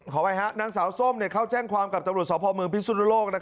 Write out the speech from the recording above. ขอบายฮะนางสาวส้มเข้าแจ้งความกับตรวจสอบภอมือพิสุทธิ์โลก